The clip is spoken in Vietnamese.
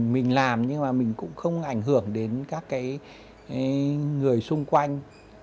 mình làm nhưng mà mình cũng không ảnh hưởng đến các cái người xung quanh